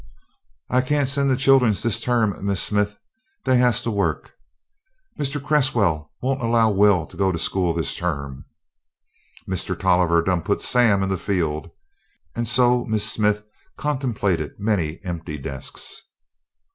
"I can't send the chilluns dis term, Miss Smith; dey has to work." "Mr. Cresswell won't allow Will to go to school this term." "Mr. Tolliver done put Sam in the field." And so Miss Smith contemplated many empty desks.